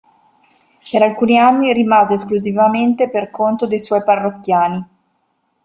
Per alcuni anni rimase esclusivamente per conto dei suoi parrocchiani.